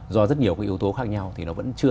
do rất nhiều cái yếu tố khác nhau thì nó vẫn chưa